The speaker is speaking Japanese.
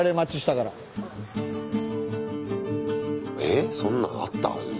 えっそんなんあった？